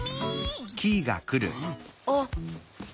あっ！